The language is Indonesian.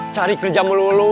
cari kerja melulu